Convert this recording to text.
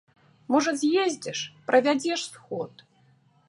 Можа з'ездзіш, правядзеш сход?